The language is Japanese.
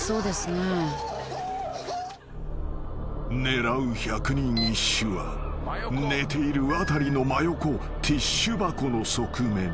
［狙う百人一首は寝ているワタリの真横ティッシュ箱の側面］